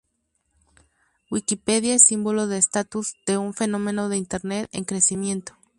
Wikipedia es símbolo de estatus de un fenómeno de Internet en crecimiento.